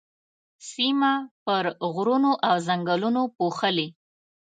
سيمه پر غرونو او ځنګلونو پوښلې.